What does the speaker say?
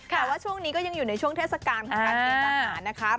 แต่ว่าช่วงนี้ก็ยังอยู่ในช่วงเทศกาลของการเกณฑ์ทหารนะคะ